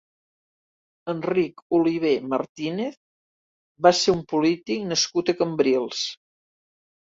Enric Olivé Martínez va ser un polític nascut a Cambrils.